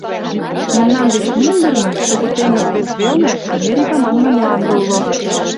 Мемнан деч мӱндырнӧ, кугу теҥыз вес велне, Америка манме мланде уло.